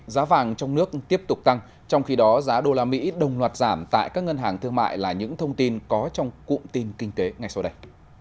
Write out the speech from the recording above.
giá vàng trong nước tiếp tục tăng trong khi đó giá đô la mỹ đồng loạt giảm tại các ngân hàng thương mại là những thông tin có trong cụm tin kinh tế ngay sau đây